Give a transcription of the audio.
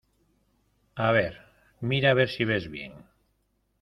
a ver, mira a ver si ves bien.